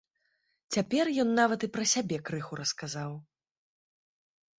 Цяпер ён нават і пра сябе крыху расказаў.